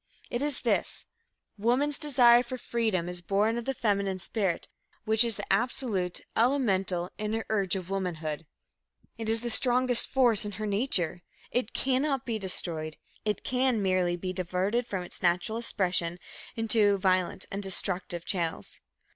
It is this: woman's desire for freedom is born of the feminine spirit, which is the absolute, elemental, inner urge of womanhood. It is the strongest force in her nature; it cannot be destroyed; it can merely be diverted from its natural expression into violent and destructive channels.